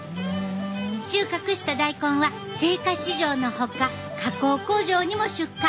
収穫した大根は青果市場のほか加工工場にも出荷！